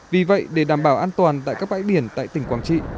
vì vậy để đảm bảo an toàn tại các bãi biển tại tỉnh quảng trị